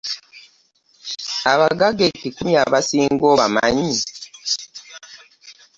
Abagagga ekikumi abasinga obamanyi?